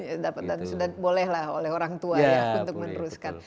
ya dan sudah boleh lah oleh orang tua ya untuk meneruskan